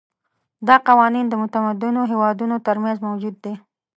دا قوانین د متمدنو هېوادونو ترمنځ موجود دي.